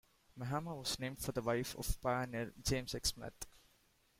Mehama was named for the wife of pioneer James X. Smith.